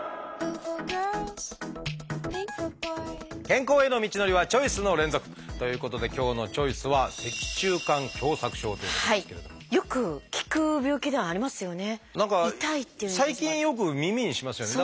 健康への道のりはチョイスの連続！ということで今日の「チョイス」はよく聞く病気ではありますよね。